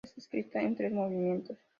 Está escrita en tres movimientos.